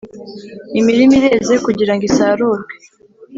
Imirima ireze kugira ngo isarurwe